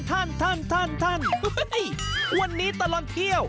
วันนี้ตลอดเที่ยว